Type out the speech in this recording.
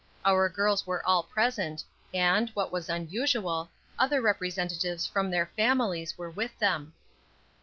Our girls were all present, and, what was unusual, other representatives from their families were with them.